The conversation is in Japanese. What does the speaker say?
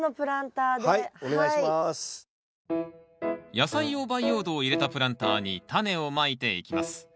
野菜用培養土を入れたプランターにタネをまいていきます。